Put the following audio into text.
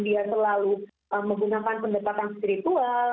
dia selalu menggunakan pendekatan spiritual